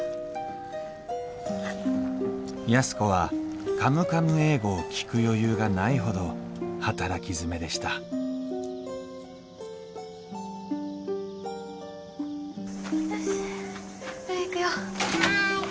安子は「カムカム英語」を聴く余裕がないほど働き詰めでしたよし。